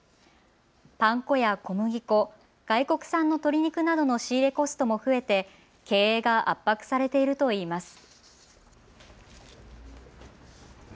パン粉や小麦粉、外国産の鶏肉などの仕入れコストも増えて経営が圧迫されているといいます。